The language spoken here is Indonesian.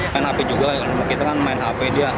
kan api juga kita kan main hp dia